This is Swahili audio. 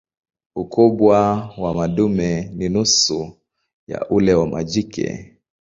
Ukubwa wa madume ni nusu ya ule wa majike.